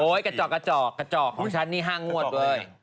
โอ้ยกระจอกของชั้นนี่๕งวดเลย